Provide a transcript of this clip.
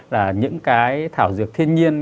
là những cái thảo dược thiên nhiên